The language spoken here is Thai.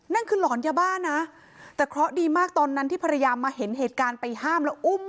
นั่นคือหลอนยาบ้านะแต่เคราะห์ดีมากตอนนั้นที่ภรรยามาเห็นเหตุการณ์ไปห้ามแล้วอุ้ม